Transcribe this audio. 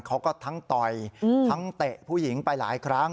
เขาก็ทั้งต่อยทั้งเตะผู้หญิงไปหลายครั้ง